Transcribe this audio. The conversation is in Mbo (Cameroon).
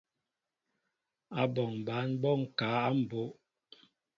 Áɓɔŋ ɓăn ɓɔ ŋkă a mbóʼ.